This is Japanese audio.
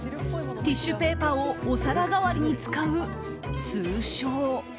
ティッシュペーパーをお皿代わりに使う、通称。